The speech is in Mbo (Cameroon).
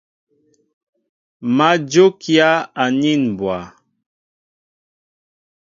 Má njókíá anin mbwa.